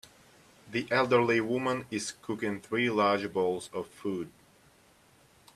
The elderly woman is cooking three large bowls of food.